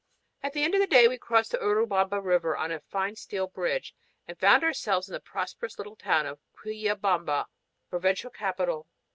At the end of the day we crossed the Urubamba River on a fine steel bridge and found ourselves in the prosperous little town of Quillabamba, the provincial capital.